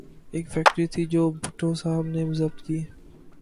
ایک فیکٹری تھی جو بھٹو صاحب نے ضبط کی۔